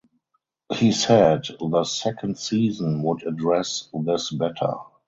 He said the second season would address this better.